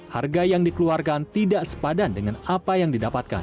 harga yang dikeluarkan tidak sepadan dengan apa yang didapatkan